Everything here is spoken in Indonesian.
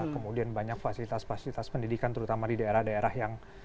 kemudian banyak fasilitas fasilitas pendidikan terutama di daerah daerah yang